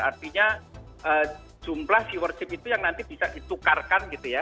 artinya jumlah viewership itu yang nanti bisa ditukarkan gitu ya